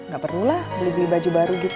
gak pernulah beli baju baru gitu